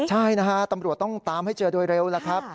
ใช่นะฮะตำรวจต้องตามให้เจอโดยเร็วแล้วครับ